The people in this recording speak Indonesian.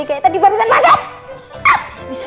kayak tadi baru bisa